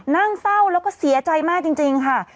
นั่งเศร้าแล้วก็เสียใจมากจริงค่ะ